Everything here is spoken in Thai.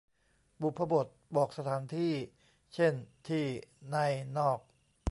บุพบทบอกสถานที่ เช่น ที่ ใน นอก